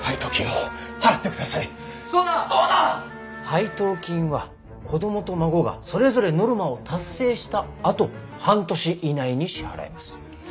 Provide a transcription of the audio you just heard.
配当金は子供と孫がそれぞれノルマを達成したあと半年以内に支払います。